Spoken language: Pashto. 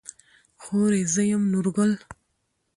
خورې زه يم نورګل.